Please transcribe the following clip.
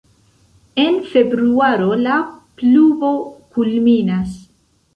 En februaro la pluvo kulminas.